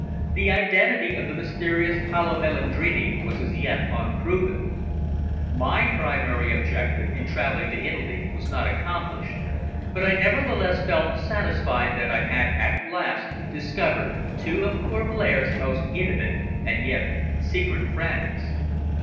The identity of the mysterious Paolo Melandrini was, as yet, unproven. My primary object in travelling to Italy was not accomplished, but I nevertheless felt satisfied that I had at last discovered two of poor Blair's most intimate and yet secret friends.